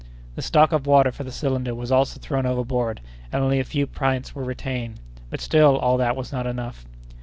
The stock of water for the cylinder was also thrown overboard and only a few pints were retained, but still all this was not enough.